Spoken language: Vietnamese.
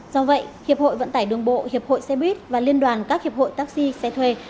do vậy hiệp hội vận tải đường bộ hiệp hội xe buýt và liên đoàn các hiệp hội taxi xe thuê